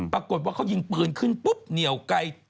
ปรากฏว่าเขายิงปืนขึ้นปุ๊บเหนียวไกล